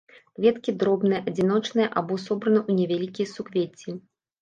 Кветкі дробныя, адзіночныя або сабраны ў невялікія суквецці.